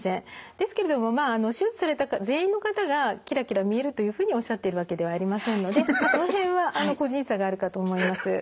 ですけれどもまあ手術された方全員の方がキラキラ見えるというふうにおっしゃってるわけではありませんのでその辺は個人差があるかと思います。